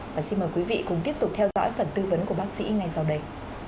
và xin mời quý vị cùng tiếp tục theo dõi phần tư vấn của bác sĩ ngay sau đây